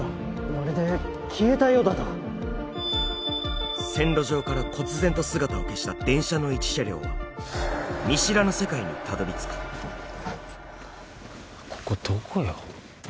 まるで消えたようだと線路上からこつ然と姿を消した電車の一車両は見知らぬ世界にたどり着くここどこよ？